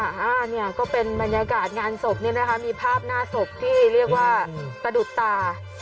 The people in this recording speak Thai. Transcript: เนี่ยค่ะอ้าวเนี่ยก็เป็นบรรยากาศงานสวบนี้นะครับมีภาพหน้าสวบที่เรียกว่าประดุษฎา